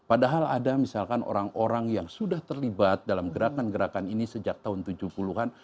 padahal ada misalkan orang orang yang sudah terlibat dalam gerakan gerakan ini sejak tahun tujuh puluh an